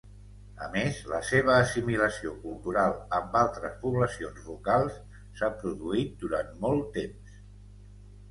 A més, la seva assimilació cultural amb altres poblacions locals s'ha produït durant molt temps.